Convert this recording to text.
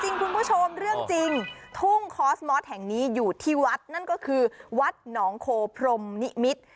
คุณผู้ชมเรื่องจริงทุ่งคอสมอสแห่งนี้อยู่ที่วัดนั่นก็คือวัดหนองโคพรมนิมิตร